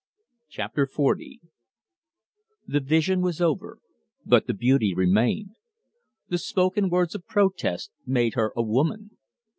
Chapter XL The vision was over, but the beauty remained. The spoken words of protest made her a woman.